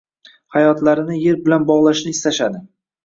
hayotlarini yer bilan bog‘lashni istashadi.